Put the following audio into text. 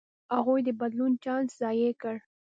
هغوی د بدلون چانس ضایع کړ.